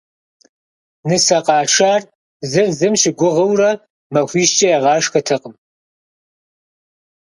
Нысэ къашар зыр зым щыгугъыурэ махуищкӏэ ягъэшхатэкъым.